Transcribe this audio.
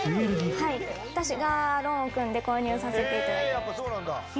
私がローンを組んで購入させていただきました。